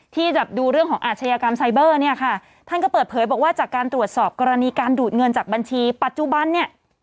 ที่จะดูเรื่องของอาชญากรรมไซเบอร์เนี่ยค่ะท่านก็เปิดเผยบอกว่าจากการตรวจสอบกรณีการดูดเงินจากบัญชีปัจจุบันเนี่ย